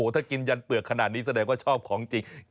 ถ้ากินยันเปลือกขนาดนี้แสดงว่าชอบของจริง